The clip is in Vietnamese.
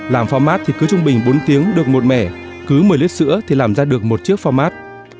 làm pho mát thì cứ trung bình bốn tiếng được một mẻ cứ một mươi lít sữa thì làm ra được một chiếc pho mát